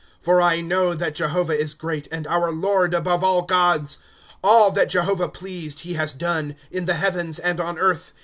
° For I know that Jehovah is great, And our Lord above all gods. ^ All that Jehovah pleaded he has done, In the heavens and on earth.